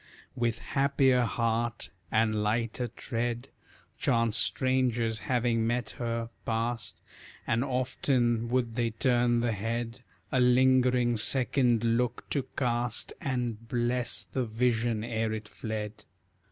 With happier heart, and lighter tread, Chance strangers, having met her, past, And often would they turn the head A lingering second look to cast, And bless the vision ere it fled.